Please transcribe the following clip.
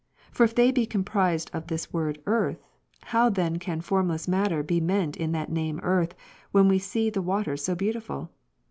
For if they be comprised in this word earth ; how then can formless matter be meant in that name of earth, when we see the waters so beautiful?